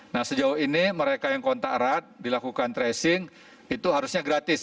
nah sejauh ini mereka yang kontak erat dilakukan tracing itu harusnya gratis